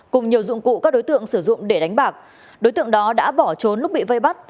cùng nhiều dụng cụ các đối tượng sử dụng để đánh bạc đối tượng đó đã bỏ trốn lúc bị vây bắt